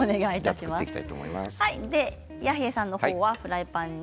弥平さんの方はフライパンに。